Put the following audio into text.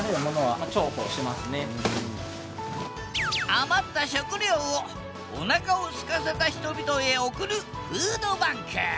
余った食料をおなかをすかせた人々へ送るフードバンク。